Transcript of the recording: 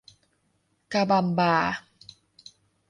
กาบามบา